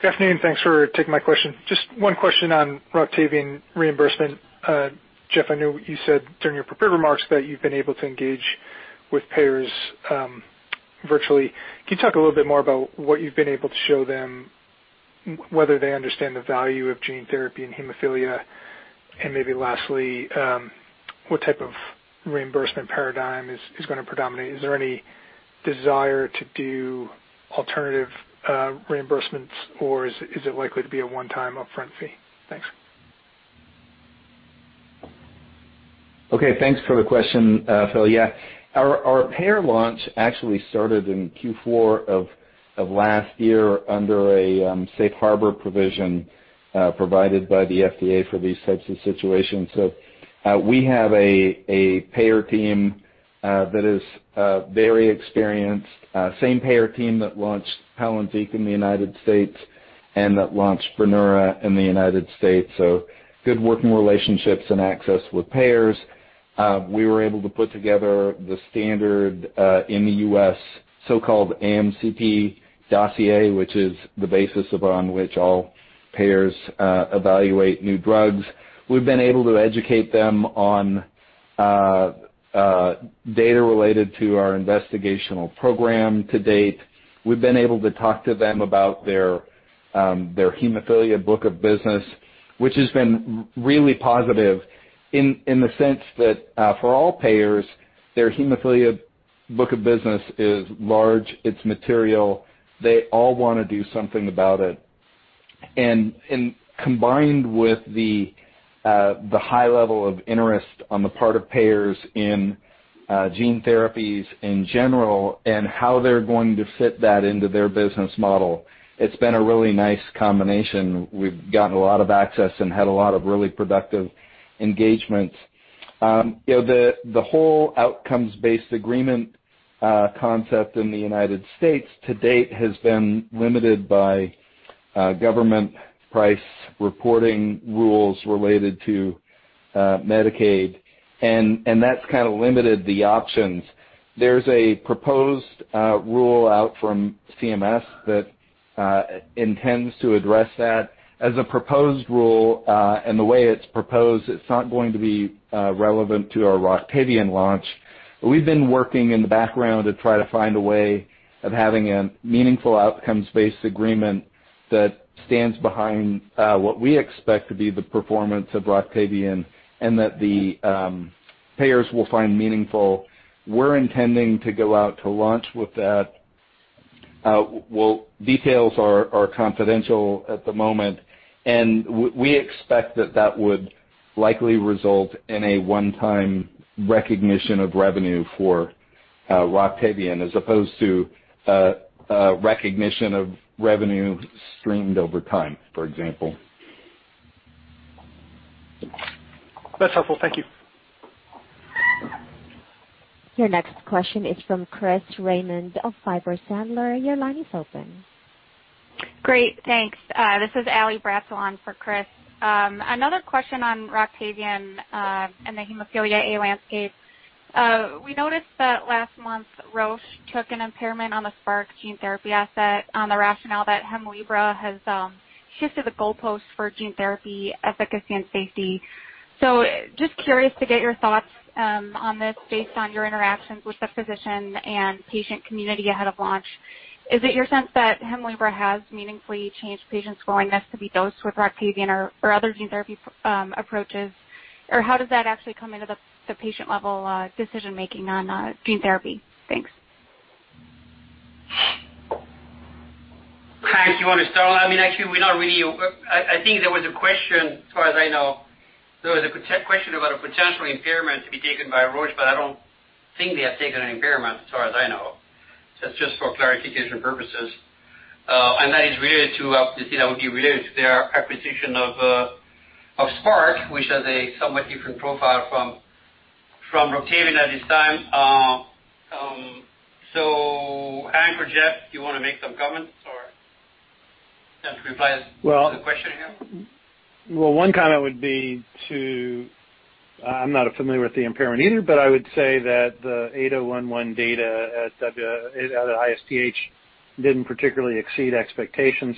Good afternoon. Thanks for taking my question. Just one question on Roctavian reimbursement. Jeff, I know you said during your prepared remarks that you've been able to engage with payers virtually. Can you talk a little bit more about what you've been able to show them, whether they understand the value of gene therapy and hemophilia? And maybe lastly, what type of reimbursement paradigm is going to predominate? Is there any desire to do alternative reimbursements, or is it likely to be a one-time upfront fee? Thanks. Okay. Thanks for the question, Phil. Yeah. Our payer launch actually started in Q4 of last year under a safe harbor provision provided by the FDA for these types of situations. So we have a payer team that is very experienced, same payer team that launched Palynziq in the United States and that launched Brineura in the United States. So good working relationships and access with payers. We were able to put together the standard in the U.S., so-called AMCP dossier, which is the basis upon which all payers evaluate new drugs. We've been able to educate them on data related to our investigational program to date. We've been able to talk to them about their hemophilia book of business, which has been really positive in the sense that for all payers, their hemophilia book of business is large. It's material. They all want to do something about it. And combined with the high level of interest on the part of payers in gene therapies in general and how they're going to fit that into their business model, it's been a really nice combination. We've gotten a lot of access and had a lot of really productive engagements. The whole outcomes-based agreement concept in the United States to date has been limited by government price reporting rules related to Medicaid. And that's kind of limited the options. There's a proposed rule out from CMS that intends to address that. As a proposed rule, and the way it's proposed, it's not going to be relevant to our Roctavian launch. We've been working in the background to try to find a way of having a meaningful outcomes-based agreement that stands behind what we expect to be the performance of Roctavian and that the payers will find meaningful. We're intending to go out to launch with that. Details are confidential at the moment. We expect that that would likely result in a one-time recognition of revenue for Roctavian as opposed to recognition of revenue streamed over time, for example. That's helpful. Thank you. Your next question is from Chris Raymond of Piper Sandler. Your line is open. Great. Thanks. This is Ally Bratzel for Chris. Another question on Roctavian and the hemophilia A landscape. We noticed that last month, Roche took an impairment on the Spark gene therapy asset on the rationale that Hemlibra has shifted the goalpost for gene therapy efficacy and safety. So just curious to get your thoughts on this based on your interactions with the physician and patient community ahead of launch. Is it your sense that Hemlibra has meaningfully changed patients' willingness to be dosed with Roctavian or other gene therapy approaches? Or how does that actually come into the patient-level decision-making on gene therapy? Thanks. Hank, you want to start? I mean, actually, we're not really. I think there was a question, as far as I know. There was a question about a potential impairment to be taken by Roche, but I don't think they have taken an impairment, as far as I know. That's just for clarification purposes, and that is related to, obviously, that would be related to their acquisition of Spark, which has a somewhat different profile from Roctavian at this time. So Hank or Jeff, do you want to make some comments or reply to the question here? One comment would be to, I'm not familiar with the impairment either, but I would say that the 8011 data at ISTH didn't particularly exceed expectations.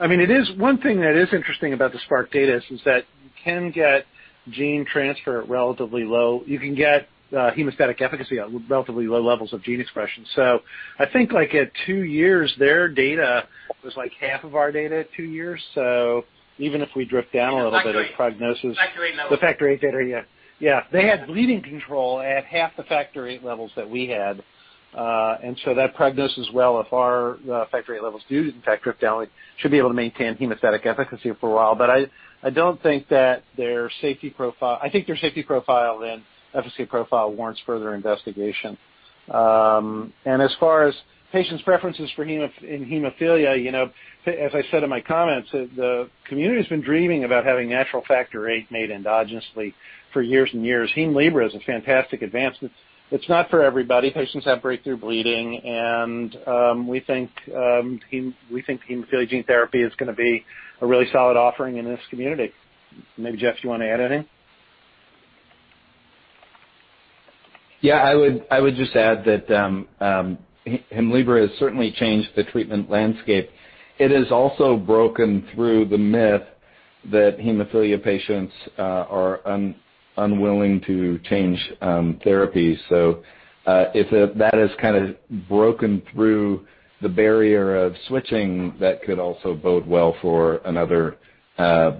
I mean, one thing that is interesting about the Spark data is that you can get gene transfer relatively low. You can get hemostatic efficacy at relatively low levels of gene expression. So I think at two years, their data was like half of our data at two years. So even if we drift down a little bit in prognosis. The Factor VIII levels. The factor VIII data, yeah. Yeah. They had bleeding control at half the factor VIII levels that we had, and so that prognosis, well, if our factor VIII levels do in fact drift down, we should be able to maintain hemostatic efficacy for a while. But I don't think that their safety profile, I think their safety profile and efficacy profile warrants further investigation. As far as patients' preferences in hemophilia, as I said in my comments, the community has been dreaming about having natural factor VIII made endogenously for years and years. Hemlibra is a fantastic advancement. It's not for everybody. Patients have breakthrough bleeding, and we think hemophilia gene therapy is going to be a really solid offering in this community. Maybe Jeff, you want to add anything? Yeah. I would just add that Hemlibra has certainly changed the treatment landscape. It has also broken through the myth that hemophilia patients are unwilling to change therapies, so if that has kind of broken through the barrier of switching, that could also bode well for another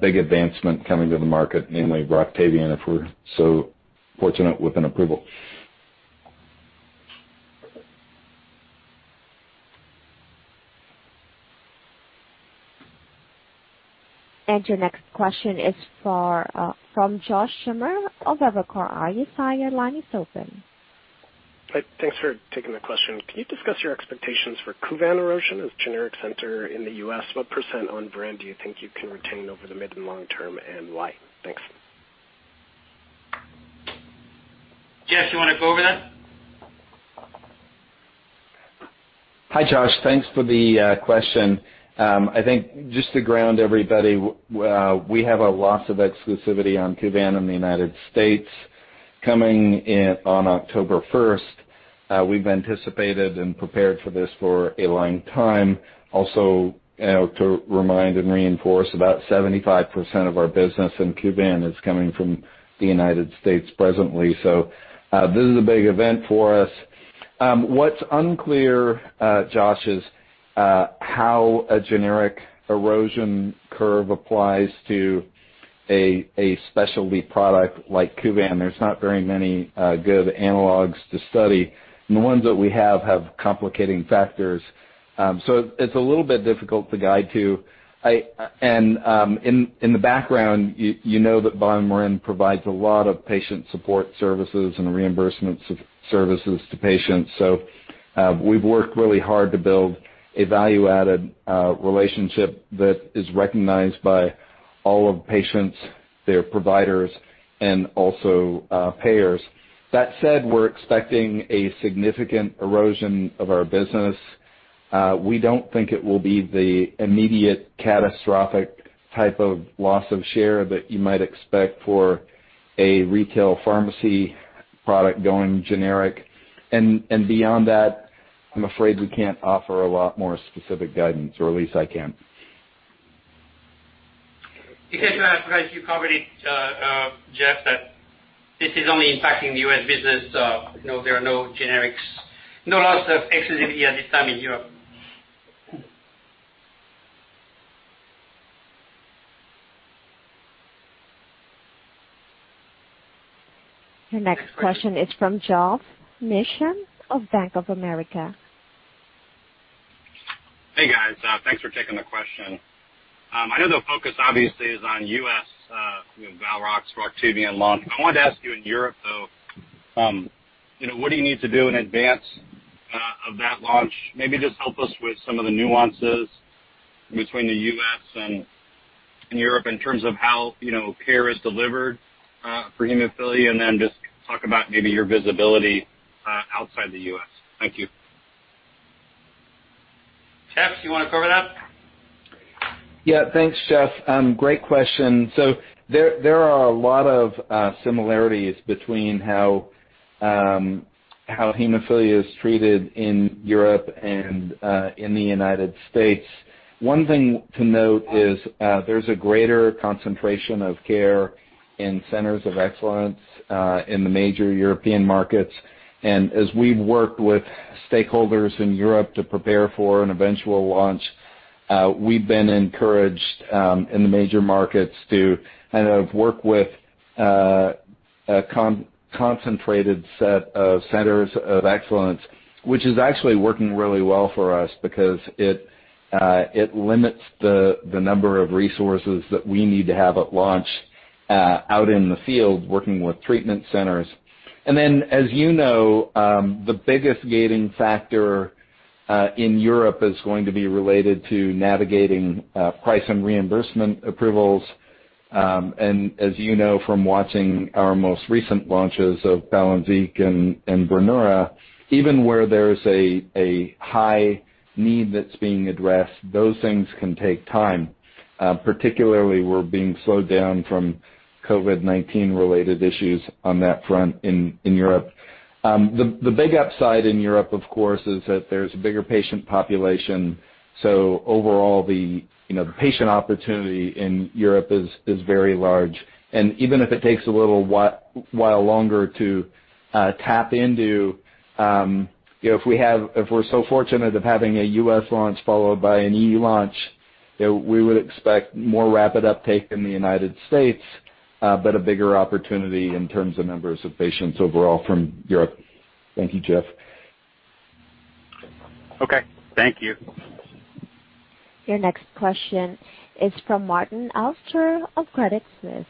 big advancement coming to the market, namely Roctavian, if we're so fortunate with an approval. Your next question is from Josh Schimmer of Evercore ISI. Your line is open. Hi. Thanks for taking the question. Can you discuss your expectations for Kuvan erosion as a generic enters in the U.S.? What % on brand do you think you can retain over the mid and long term, and why? Thanks. Jeff, you want to go over that? Hi, Josh. Thanks for the question. I think just to ground everybody, we have a loss of exclusivity on Kuvan in the United States coming on October 1st. We've anticipated and prepared for this for a long time. Also, to remind and reinforce, about 75% of our business in Kuvan is coming from the United States presently. So this is a big event for us. What's unclear, Josh, is how a generic erosion curve applies to a specialty product like Kuvan. There's not very many good analogs to study. And the ones that we have have complicating factors. So it's a little bit difficult to guide to. And in the background, you know that BioMarin provides a lot of patient support services and reimbursement services to patients. So we've worked really hard to build a value-added relationship that is recognized by all of patients, their providers, and also payers. That said, we're expecting a significant erosion of our business. We don't think it will be the immediate catastrophic type of loss of share that you might expect for a retail pharmacy product going generic, and beyond that, I'm afraid we can't offer a lot more specific guidance, or at least I can't. You can provide your coverage, Jeff, that this is only impacting the U.S. business. There are no generics, no loss of exclusivity at this time in Europe. Your next question is from Geoff Meacham of Bank of America. Hey, guys. Thanks for taking the question. I know the focus, obviously, is on U.S., Valrox, Roctavian launch. I wanted to ask you in Europe, though, what do you need to do in advance of that launch? Maybe just help us with some of the nuances between the U.S. and Europe in terms of how care is delivered for hemophilia, and then just talk about maybe your visibility outside the U.S. Thank you. Jeff, you want to cover that? Yeah. Thanks, Jeff. Great question. So there are a lot of similarities between how hemophilia is treated in Europe and in the United States. One thing to note is there's a greater concentration of care in centers of excellence in the major European markets. And as we've worked with stakeholders in Europe to prepare for an eventual launch, we've been encouraged in the major markets to kind of work with a concentrated set of centers of excellence, which is actually working really well for us because it limits the number of resources that we need to have at launch out in the field working with treatment centers. And then, as you know, the biggest gating factor in Europe is going to be related to navigating price and reimbursement approvals. And as you know from watching our most recent launches of Palynziq and Brineura, even where there's a high need that's being addressed, those things can take time, particularly we're being slowed down from COVID-19-related issues on that front in Europe. The big upside in Europe, of course, is that there's a bigger patient population. So overall, the patient opportunity in Europe is very large. And even if it takes a little while longer to tap into, if we're so fortunate of having a U.S. launch followed by an EU launch, we would expect more rapid uptake in the United States, but a bigger opportunity in terms of numbers of patients overall from Europe. Thank you, Geoff. Okay. Thank you. Your next question is from Martin Auster of Credit Suisse.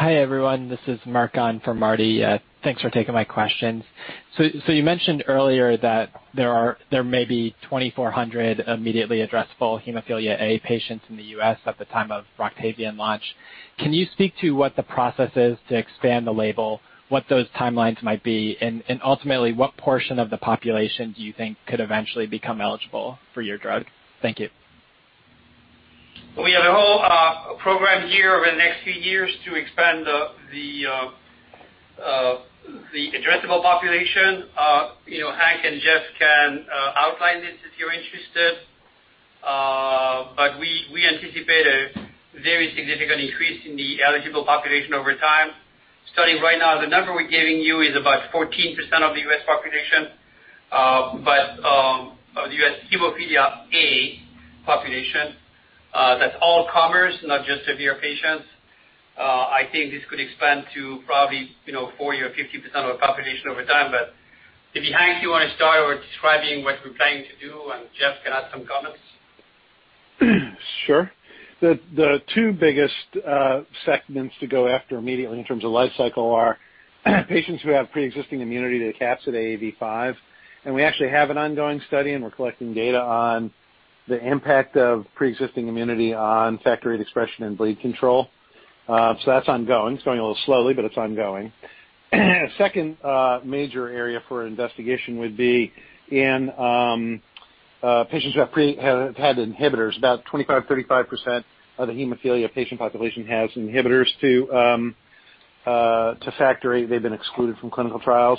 Hi everyone. This is Marc-Ann from Marty. Thanks for taking my questions. So you mentioned earlier that there may be 2,400 immediately addressable hemophilia A patients in the U.S. at the time of Roctavian launch. Can you speak to what the process is to expand the label, what those timelines might be, and ultimately, what portion of the population do you think could eventually become eligible for your drug? Thank you. We have a whole program here over the next few years to expand the addressable population. Hank and Jeff can outline this if you're interested. But we anticipate a very significant increase in the eligible population over time. Starting right now, the number we're giving you is about 14% of the U.S. population, but of the U.S. hemophilia A population. That's all comers, not just severe patients. I think this could expand to probably 40% or 50% of the population over time. But maybe Hank, you want to start with describing what we're planning to do, and Jeff can add some comments. Sure. The two biggest segments to go after immediately in terms of life cycle are patients who have pre-existing immunity to capsid AAV5. And we actually have an ongoing study, and we're collecting data on the impact of pre-existing immunity on factor VIII expression and bleed control. So that's ongoing. It's going a little slowly, but it's ongoing. Second major area for investigation would be in patients who have had inhibitors. About 25%-35% of the hemophilia patient population has inhibitors to factor VIII. They've been excluded from clinical trials.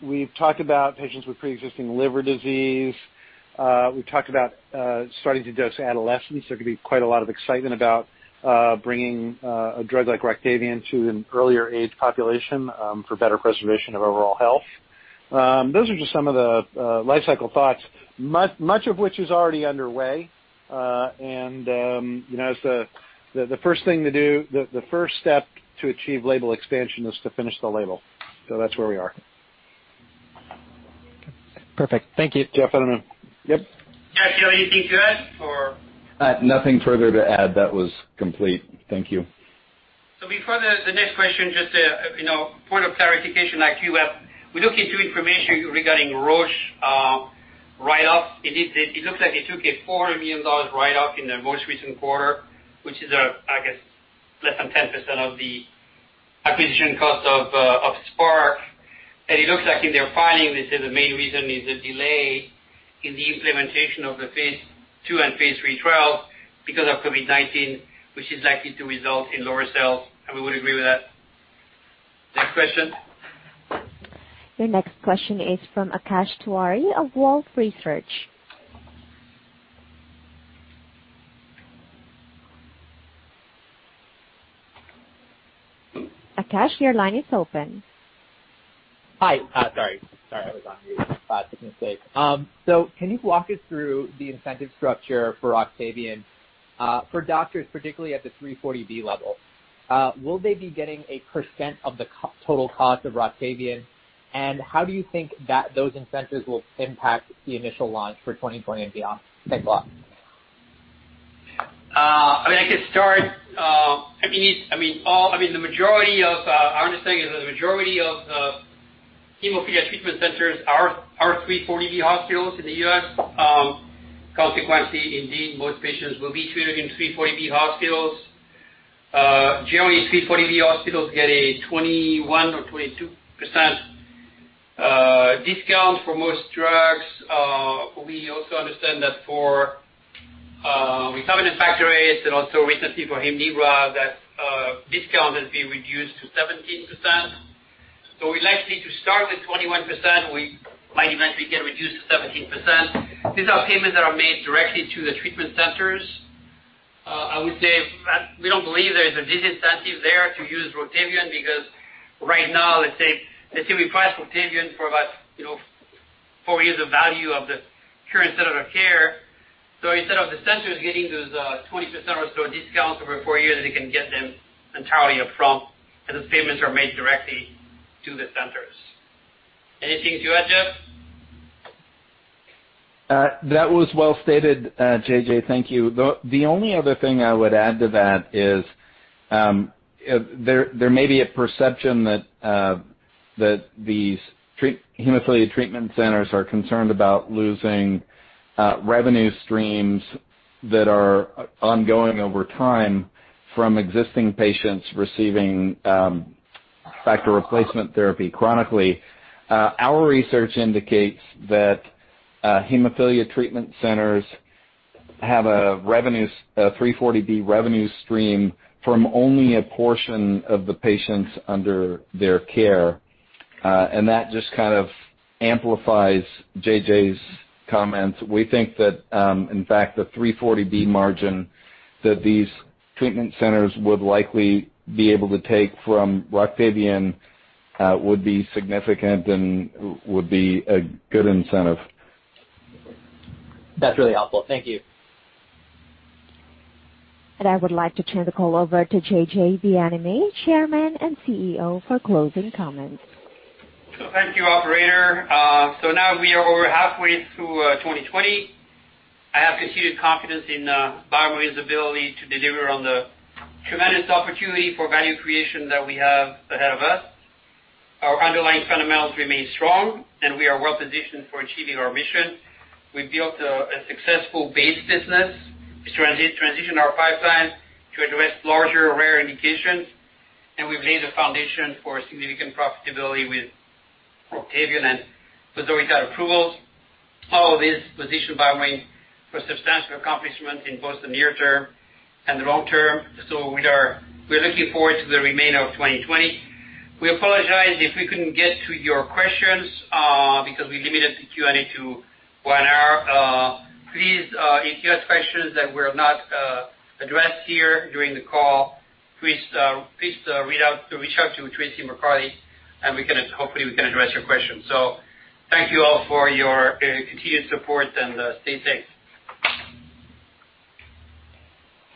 We've talked about patients with pre-existing liver disease. We've talked about starting to dose adolescents. There could be quite a lot of excitement about bringing a drug like Roctavian to an earlier age population for better preservation of overall health. Those are just some of the life cycle thoughts, much of which is already underway. And the first thing to do, the first step to achieve label expansion is to finish the label. So that's where we are. Perfect. Thank you. Jeff, I don't know. Yep. Jeff, you have anything to add or? Nothing further to add. That was complete. Thank you. Before the next question, just a point of clarification. Like you have, we look into information regarding Roche write-off. It looks like they took a $400 million write-off in the most recent quarter, which is, I guess, less than 10% of the acquisition cost of Spark. And it looks like in their filing, they say the main reason is a delay in the implementation of the phase II and phase III trials because of COVID-19, which is likely to result in lower sales. And we would agree with that. Next question. Your next question is from Akash Tewari of Wolfe Research. Akash, your line is open. Hi. Sorry. Sorry, I was on mute. Take a seat. So can you walk us through the incentive structure for Roctavian for doctors, particularly at the 340B level? Will they be getting a % of the total cost of Roctavian? And how do you think that those incentives will impact the initial launch for 2020 and beyond? Thanks, [Bob]. I mean, I can start. I mean, the majority of our understanding is that the majority of hemophilia treatment centers are 340B hospitals in the U.S. Consequently, indeed, most patients will be treated in 340B hospitals. Generally, 340B hospitals get a 21% or 22% discount for most drugs. We also understand that for recombinant Factor VIII, and also recently for Hemlibra, that discount has been reduced to 17%. So we'd like to start with 21%. We might eventually get reduced to 17%. These are payments that are made directly to the treatment centers. I would say we don't believe there is a disincentive there to use Roctavian because right now, let's say we price Roctavian for about four years of value of the current standard of care. So instead of the centers getting those 20% or so discounts over four years, they can get them entirely upfront as the payments are made directly to the centers. Anything to add, Jeff? That was well stated, JJ. Thank you. The only other thing I would add to that is there may be a perception that these hemophilia treatment centers are concerned about losing revenue streams that are ongoing over time from existing patients receiving factor replacement therapy chronically. Our research indicates that hemophilia treatment centers have a 340B revenue stream from only a portion of the patients under their care. And that just kind of amplifies JJ's comments. We think that, in fact, the 340B margin that these treatment centers would likely be able to take from Roctavian would be significant and would be a good incentive. That's really helpful. Thank you. And I would like to turn the call over to J.J. Bienaimé, Chairman and CEO, for closing comments. Thank you, Operator. Now we are over halfway through 2020. I have continued confidence in BioMarin's ability to deliver on the tremendous opportunity for value creation that we have ahead of us. Our underlying fundamentals remain strong, and we are well positioned for achieving our mission. We've built a successful base business, transitioned our pipeline to address larger rare indications, and we've laid the foundation for significant profitability with Roctavian and vosoritide approvals. All of this positioned BioMarin for substantial accomplishment in both the near term and the long term. Now we're looking forward to the remainder of 2020. We apologize if we couldn't get to your questions because we limited the Q&A to one hour. Please, if you have questions that were not addressed here during the call, please reach out to Traci McCarty, and hopefully, we can address your questions. Thank you all for your continued support, and stay safe.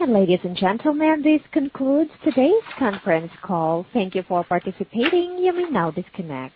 Ladies and gentlemen, this concludes today's conference call. Thank you for participating. You may now disconnect.